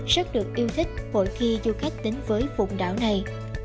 rất được yêu thích mỗi khi du khách đến với vùng đảo này